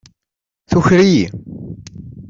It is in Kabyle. Tuker-iyi.